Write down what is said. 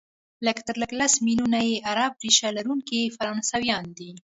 لږ تر لږه لس ملیونه یې عرب ریشه لرونکي فرانسویان دي،